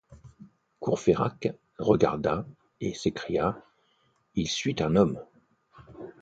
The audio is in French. Courfeyrac regarda, et s’écria: — Il suit un homme!